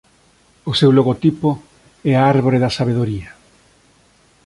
O seu logotipo é a Árbore da Sabedoría.